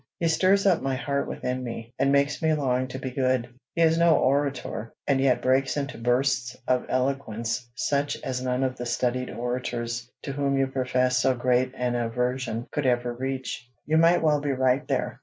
He stirs up my heart within me, and makes me long to be good. He is no orator, and yet breaks into bursts of eloquence such as none of the studied orators, to whom you profess so great an aversion, could ever reach." "You may well be right there.